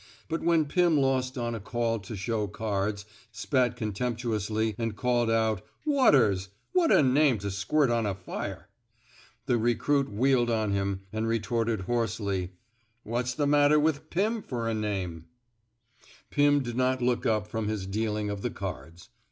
But when Pim lost on a call to show cards, spat contemptuously, and called out: Waters! ' What a name to squirt on a firel " the recruit wheeled on him, and retorted hoarsely, What's the matter with Pim fer a namef " 173 THE SMOKE EATERS Pirn did not look up from his dealing of the cards.